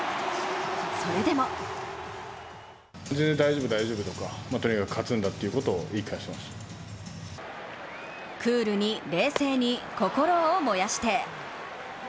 それでもクールに冷静に、心を燃やして。